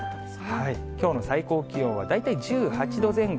きょうの最高気温は大体１８度前後。